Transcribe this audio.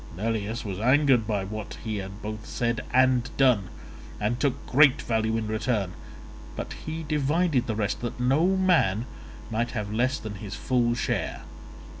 Neleus was angered by what he had both said and done, and took great value in return, but he divided the rest, that no man might have less than his full share.